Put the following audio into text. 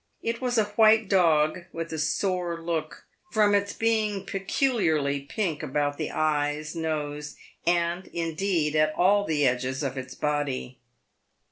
It was a white dog, with a sore look, from its being pecu liarly pink about the eyes, nose, and, indeed, at all the edges of its body.